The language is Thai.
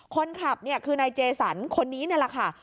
คนขับเนี่ยคือนายเจสันคนนี้นี่แหละค่ะ